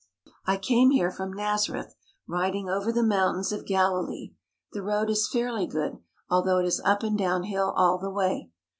I came here from Nazareth riding over the mountains of Galilee. The road is fairly good, although it is up and down hill all the way.